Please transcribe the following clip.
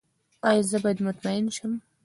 ایا زه باید مطمئن شم؟